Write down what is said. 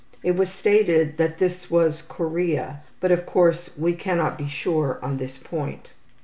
It was stated that this was chorea, but of course we can not be sure on this point.